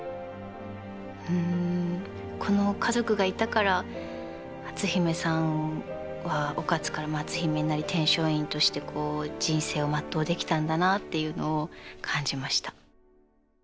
うんこの家族がいたから篤姫さんは於一から篤姫になり天璋院として人生を全うできたんだなっていうのを感じました。